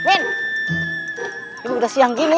ini udah siang gini